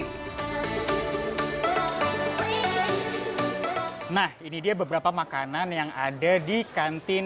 nah ini dia beberapa makanan yang ada di kantin